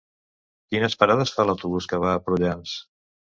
Quines parades fa l'autobús que va a Prullans?